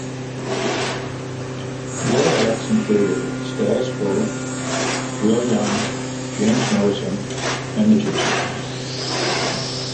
The other acts included Status Quo, Will Young, James Morrison and the Gipsy Kings.